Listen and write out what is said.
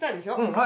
はい。